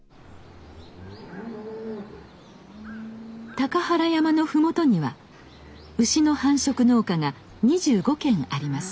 高原山の麓には牛の繁殖農家が２５軒あります。